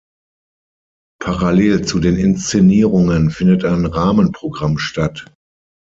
Parallel zu den Inszenierungen findet ein Rahmenprogramm statt.